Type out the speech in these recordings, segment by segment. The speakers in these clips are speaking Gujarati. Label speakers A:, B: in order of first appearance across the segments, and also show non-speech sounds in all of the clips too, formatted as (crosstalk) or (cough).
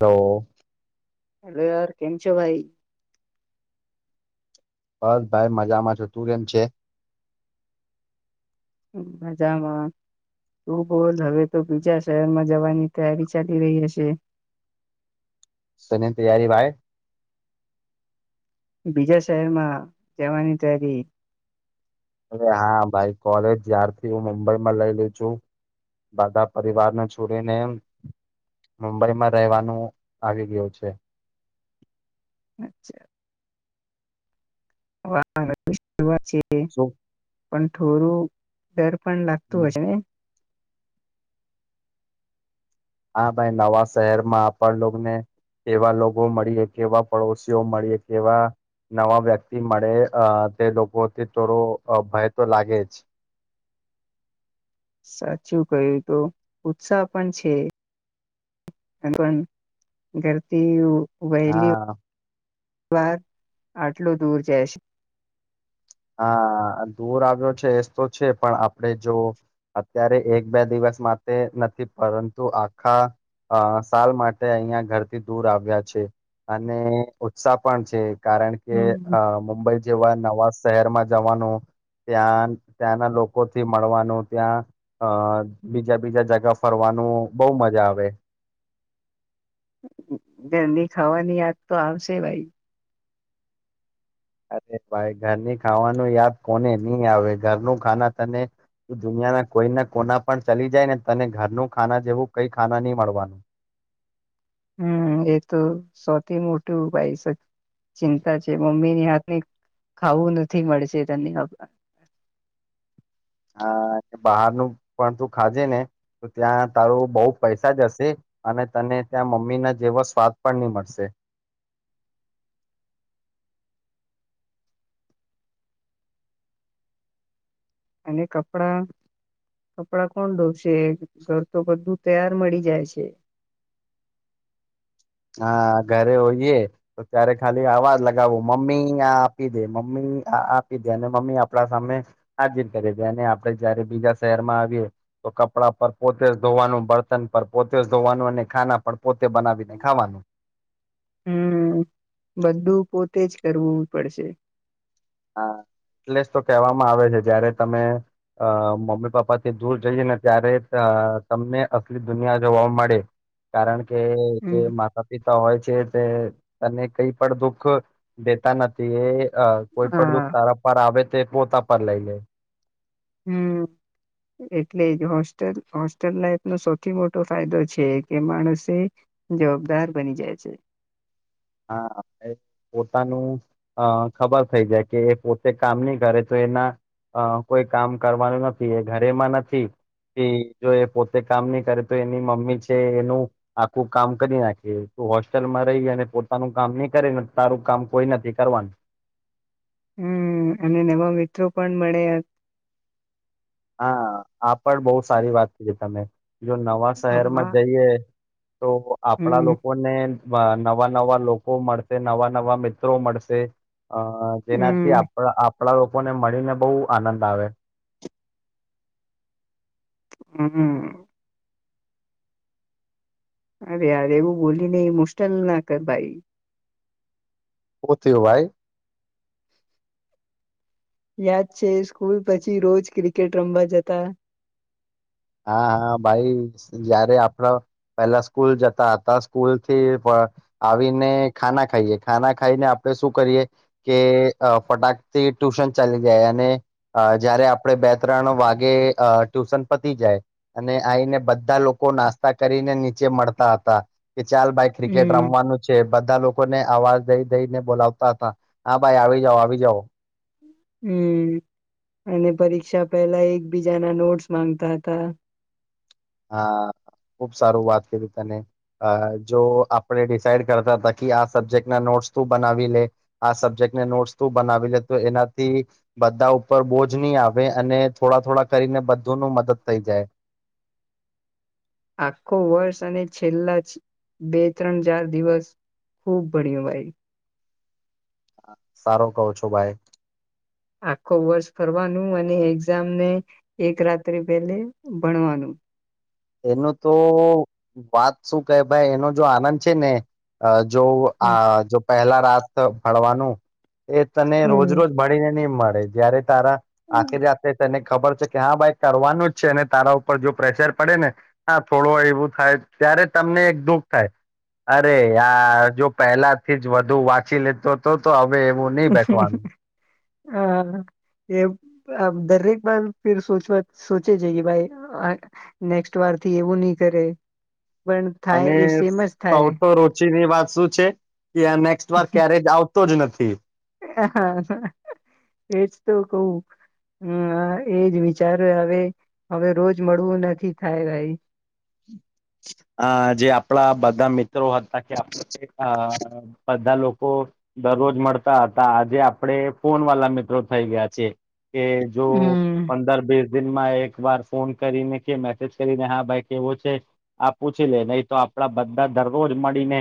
A: હલો
B: હલો યાર કેમ છો ભાઈ.
A: બસ ભાઈ મજામાં છુ તું કેમ છે.
B: મજામાં તું બોલ હવે તો બીજા શહેરમાં જવાની તૈયારી ચાલી રહી હશે
A: સની તૈયારી ભાઈ.
B: બીજા શહેરમાં જવાની તયારી
A: હા ભાઈ કોલેજ જ્યારથી હું મુંબઈમાં લઈ લઉ છું બધા પરિવારને છોડીને મુંબઈમાં રહેવાનું આવી ગયું છે.
B: અચ્છા. વા (unintelligible) વા છે (unintelligible)
A: શું
B: પણ થોડું ડર. પણ લાગતું હોય છે ને.
A: હા ભાઈ નવા શહેરમાં આપણ લોકોને કેવા લોકો મળીએ કેવા પડોશીઓ મળીએ કેવા નવા વ્યક્તિ મળે તે લોકોથી થોડો ભય તો લાગે જ.
B: સાચું કય્યું તો ઉત્સાહ પણ છે (unintelligible) ઘરથી વહેલી
A: હા.
B: વાર આટલું દૂર જશે.
A: હા દૂર આવ્યો છે એ તો છે પણ આપણે જો અત્યારે એક બે દિવસ માટે નથી પરંતુ આખા સાલ માટે અહિયાં ઘરથી દૂર આવ્યા છે અને ઉત્સાહ પણ છે. કારણ કે
B: હમ
A: અ મુુંબઈ જેવા નવા શહેરમાં જવાનું ત્યાં ત્યાંના લોકોથી મળવાનું ત્યાં અ બીજા બીજા જગા ફરવાનું બહ મજા આવે.
B: જરની ખાવાની યાદ તો આવશે ભાઈ.
A: અરે ભાઈ ઘરની ખાવાનું યાદ કોને નહી આવે ઘરનું ખાના તને દુનિયાના કોઈ ના કોના પણ ચલી જાય ને તને ઘરનું ખાના જેવું કઈ ખાના નહી મળવાનું.
B: હમ એ તો સૌથી મોટું ભાઈ ચિંતા છે મમ્મીની હાથ ની ખાવું નથી મળશે તને.
A: બહારનું પણ તું ખાજે ને તો ત્યાં તારું બહુ પૈસા જશે અને તને ત્યાં મમ્મી ના જેવો સ્વાદ પણ નહી મળશે.
B: અને કપડા કપડા કોણ ધોવશે ઘર તો બધું તૈયાર મળી જાય છે.
A: હા ઘરે હોઈએ તો ત્યારે ખાલી આવાજ લગાવો મમ્મી આ આપી દે મમ્મી આપી દે અને મમ્મી આપડા સામે હાજીન કરી દે અને આપડે જયારે બીજા શહેર માં આવીએ તો કપડા પર પોતે ધોવાનું બર્તન પર પોતે ધોવાનું અને ખાના પર પોતે બનાવી ના. ખાવાનું.
B: હમ બધું પોતે જ કરવું પડશે.
A: હા એટલે તો કેહેવામાં આવે છે જયારે તમે મમ્મી પપ્પા થી દૂર જઈએ ને ત્યારે તમને અસલી દુનિયા જોવા મળે કારણ કે કે જે
B: હમ
A: માતા પિતા હોય છે તે તને કઈ પણ દુખ દેતા નથી એ કોઈ પણ જો
B: હા
A: સારા પાર આવે. તે પોતા પર લઈને.
B: હમ એટલે જ હોસ્ટેલ હોસ્ટેલ લાઈફનો સૌથી મોટો ફાયદો છે કે માણસે જવાબદાર બની જાય છે.
A: હા પોતાનું ખબર થઇ જાય કે એ પોતે કામ નહી કરે તો એના કોઈ કામ કરવાનું નથી એ ઘરેમાં નથી કે જો એ પોતે કામ નહી કરે તો એની મમ્મી છે એનું આખું કામ કરી નાખે હોસ્ટેલમાં રહી અને નું કામ નહી કરેને તારું કામ કોઈ નથી કરવાનું.
B: હમ અને એમાં મિત્રો પણ મળ્યા
A: હા આ પણ બહુ સારી વાત કરી તમે. જો નવા શહેર માં જઈએ. તો આપણા
B: હમ
A: લોકોને નવા નવા લોકો મળશે નવા નવા મિત્રો મળશે. અ જેનાથી
B: હમ
A: આપ આપડા લોકો ને મળીને બહુ આનંદ આવે.
B: હમ્મ. અરેયાર એવું બોલીને મુશ્કેલ ના કર ભાઈ.
A: હું થયું ભાઈ.
B: યાદ છે સ્કૂલ પછી રોજ ક્રિકેટ રમવા જતા.
A: હા હા ભાઈ જયારે આપડ પેલા સ્કૂલ જતા હતા સ્કૂલ થી આવીને ખાના ખાઈએ ખાના ખાઈને આપડે શું કરીએ કે ફટાક થી ટ્યુશન ચાલી જાય અને જયારે આપડણે બે ત્રણ વાગે ટ્યુશન જાય અને આઈને બધા લોકો નાસ્તા કરીને નીચે મળતા હતા કે ચાલ ભાઈ ક્રિકેટ
B: હમ
A: રમવાનું છે બધા લોકોને અવાજ દઈ દઈને બોલાવતા હતા હા ભાઈ આવી જાઓ આવી જાઓ.
B: હમ અને પરીક્ષા પહેલા એકબીજાના નોટ્સ માંગતા હતા.
A: હા ખુબ સારું વાત કરી તને જો આપણે ડિસઇડ કરતા હતા કે આ સબ્જેક્ટના નોટ્સ તું બનાવી લે આ સબ્જેક્ટને નોટ્સ તું બનાવી લે તો એનાથી બધા ઉપર બોજ નહી આવે અને થોડા થોડા કરીને બધું ન મદદ થઈ જાય.
B: આખો વર્ષ અને છેલ્લા બે ત્રણ ચાર દિવસ ખૂબ ભણ્યું ભાઈ.
A: સારો કહો છો ભાઈ.
B: આખો વર્ષ ફરવાનું અને એક્ઝામને એક રાત્રિ પહેલે ભણવાનું.
A: એનું તો વાત શું કેહે ભાઈ એનો જો આનંદ છે ને. જો
B: હમ
A: આ જો પહેલા રાત ભળવાનું. એ તને રોજ
B: હમ
A: રોજ ભાળીને નહી મળે. જય્યારે. તારા આતે જતે તને. ખબર છે કે હા ભાઈ કરવાનું જ છે અને તારા ઉપર જો પ્રેશર. પડે ને હા થોડું એવું થાય ત્યારે તમને એક દુઃખ થાય અરે યાર જો પહેલા થી જ વધુ વાંચી લેતો. તો તો હવે એવું નહીિ બેઠવાનું.
B: હા એ દરેક વાર ફિર સોચે છે ભાઈ નેક્ વાર થી એવું નહી કરે. પણ થાય એ સેમ જ થાય.
A: ની વાત શું છે. નેક્સ્ટ વાર ક્યારેક આવ. તો જ નથી.
B: હ એજ તો કવું હમ એજ વિચાર હવે હવે રોજ મળવું નથી થાય ભાઈ.
A: આ જે આપણા બધા મિત્રો હતા કે આપ બધા લોકો દરરોજ મળતા હતા આજે આપડે ફોન વાલા મિત્રો થઇ ગયા છે. કે જો
B: હમ
A: પંદર બીસ. દિનમાં એક વાર ફોન કરીને કે મેસેજ કરીને હા ભાઈ. કેવો છે આ પૂછી લે નહી તો આપડા બધા દરરોજ મળીને.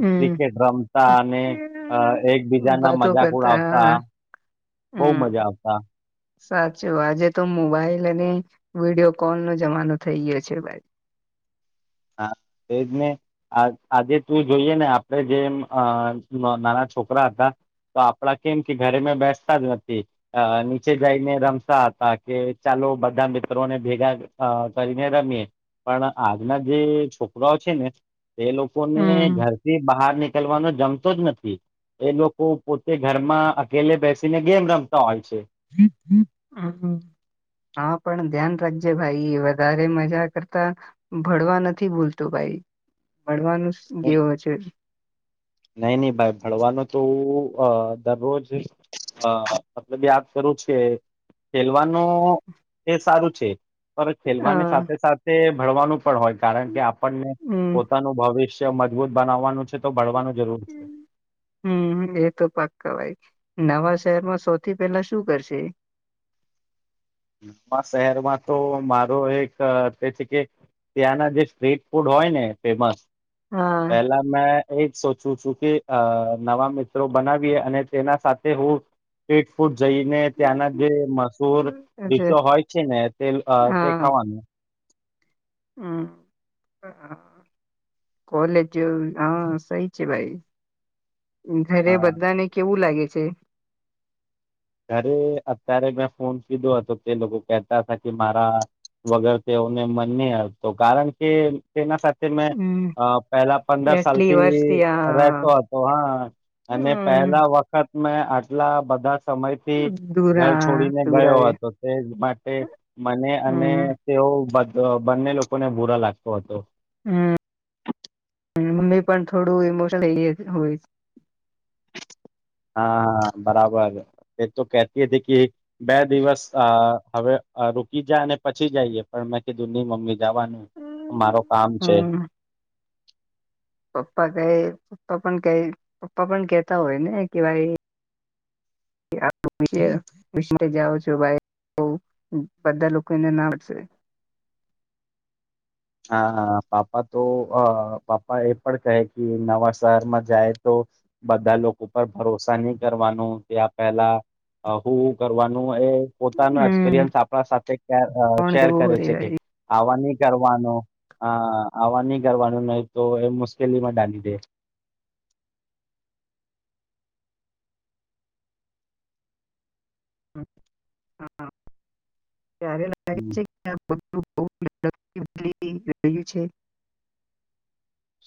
B: હમ
A: ક્રિકેટ રમતા અને એકબીજા ના
B: વાતો
A: મજાક
B: કરતા
A: ઉડાવતા.
B: હા
A: બઉુ મજા
B: હમ
A: આવતા.
B: સાચું આજે તો મોબાઈલ અને વિડીિયો કોલ નો જમાનો થઈ ગયો છે ભાઈ.
A: હા એજ ને આજે તું જોઈએ ને આપણેે જેમ નાના છોકરા હતા તો આપડા કેમ કે ઘરે મે બેસતા જ નથી નીચે જઈને રમતા હતા કે ચાલો બધા મિત્રોને ભેગા કરીને રમીએ પણ આજના. જે છોકરાઓ છે ને. એ લોકો ને
B: હમ
A: ઘર થી બહાર નીક. કેલવાનો જમતો જ નથી એ લોકો પોતે ઘરમાં અકેલે બેસીને ગેમ રમતા હોય છે..
B: હા પણ ધ્યાન રાખજે ભાઈ વધારે મજા કરતા ભણવા નથી ભૂલતું ભાઈ. (unintelligible) છે.
A: નહી નહી ભાઈ ભણવાનું તો. અ દરરોજ અ ખેલવાનું એ સારું. (unintelligible) પર
B: હ
A: ખેલવાની સાથે સાથે. ભણવાનું. હોય કારણ કે આપણને
B: હમ
A: પોતાનું ભવિષ્ય. મજબૂત બનાવવાનું. તો ભળવાનો.
B: હમ એ તો પક્કવાય. નવા શહેરમાં સૌથી પહેલા શું કરશે.
A: (unintelligible) શહેરમાં તો મારો એક તે છે, કે ત્યાંના જે સ્ટ્રીટ ફૂડ હોય ને ફેમસ.
B: હા
A: પેલા મેં એ જ સોચું છું કે નવા મિત્રો બનાવીએ અને તેના સાથે હું સ્ટ્રીટ ફૂડ. જઈને ત્યાંના જે મશૂર
B: અચ્છા
A: ડીશો હોય છે, ને (unintelligible) તે
B: હા
A: ખાવાનું.
B: હમ કોલેજ હા સહી છે, ભાઈ જારે
A: અ
B: બધાને કેવું લાગે છે.
A: ઘરે અત્યારે મેં ફોન કીધો હતો તે લોકો કેતા હતા કે મારા વગર તેઓને મન ન હતો કારણ કે તેના સાથે. મેં
B: હમ
A: પહેલા પંદર
B: એટલી
A: સાલથી
B: વર્ષથી આ
A: રહેતો હતો હા અને
B: હમ
A: પહેલા વખત. મેં આટલા બધા. સમયથી ઘર
B: દૂરા
A: છોડીને
B: દૂર
A: ગયો
B: આવે
A: હતો તે માટે મને અને
B: હમ
A: તેઓ તો બંને લોકોને બુરા લાગતો હતો.
B: હમ મમ્મી પણ થોડું ઇમોશનલ થઈ હોય.
A: હા બરાબર એ તો કેતી હતી કે. બે દિવસ અ હવે રૂકી જા અને પછી જઈએ પણ મેં કીધું ની મમ્મી. જવાનું મારો કામ છે.
B: હમ પપ્પા કઈ પપ્પા પણ કઈ પપ્પા પણ કેહેતા હોય ને કે ભાઈ (unintelligible) છો ભાઈ બધા લોકોને ના (unintelligible)
A: હા પાપા તો પાપા એ પણ કહે કે નવા શહેરમાં જાય તો બધા લોકો પર ભરોસા નહી કરવાનું ત્યાં પહેલા હું કરવાનું એ પોતાનો
B: હમ
A: એક્સપિરિયન્સ આપણા સાથે
B: કોણ
A: શેર
B: કેવું
A: કરે છે,
B: હોય
A: કે આવાની. આવવા નહી કરવાનું નહી તો એ મુશ્કેલીમાં ડાલી દે.
B: હ હાા. પ્યારે લગ
A: હમ
B: છે કે. બલી રહ્યું છે.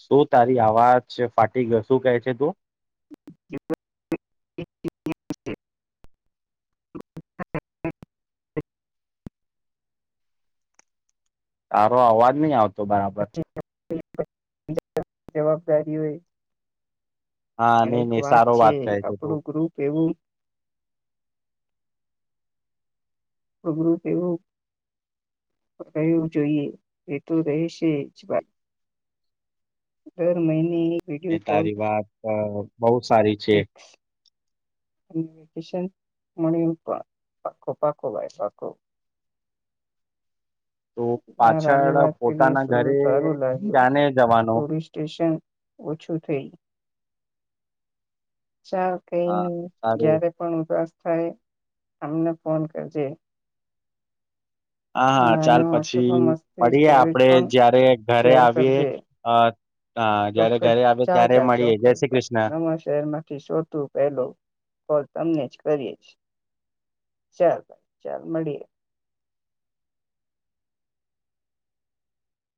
A: શું તારી આવાજ ફાટી ગયો શું કેહે છે તું.
B: (inaudible)
A: તારો અવાજ નહી આવતો. તો બરાબર.
B: જવાબદારી હોઈ.
A: હા
B: પણ
A: નહી
B: એક
A: નહી
B: વાત
A: સારો
B: છે
A: કહે તું
B: આપણું ગ્રુપ એવું. અબરું તે એવું રહવું જોઈએ એ તો રહેશે જ ભાઈ. દર મહિને. એક વિડીયો
A: અને
B: કોલ
A: તારી વાત બહ સારી છે.
B: ફિક્સ અને વેકેશન મળ્યું પણ પાખો પાકો ભાય પાકો.
A: તું
B: ે
A: પાછળ
B: વાત કરી
A: પોતાના
B: શ
A: ઘરે
B: સારું
A: ક્યાને જવાનો
B: લાગ્યુંલીસ સ્ટેશન. ઓછું થઈ. ચાલ કઈ
A: હા સારું
B: જયારે પણ ઉદસ. થ અમને ફોન કરજે.
A: હા હા ચાલ પછી.
B: કરજે ચોસ ચાલ
A: મળીએ આપડે
B: ચાલ
A: જયારે ઘરે આવીએ અ હા જયારે ઘરે આવે ત્યારે મળીએ જય
B: ચોકસ
A: શ્રી કૃષ્ણ
B: ન શેર માંથી શોતું પહેલ. કરીએ ચાલ ભાઈ ચાલ મળીએ.